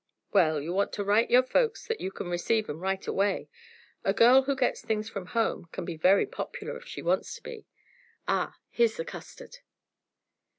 "Well, you want to write your folks that you can receive 'em right away. A girl who gets things from home can be very popular if she wants to be. Ah! here's the custard."